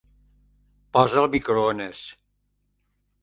Posa el microones.